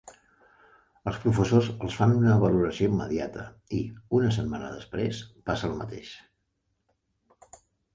Els professors els fan una valoració immediata i, una setmana després, passa el mateix.